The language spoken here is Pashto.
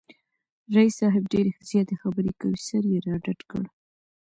رییس صاحب ډېرې زیاتې خبری کوي، سر یې را ډډ کړ